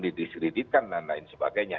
didiskreditkan dan lain sebagainya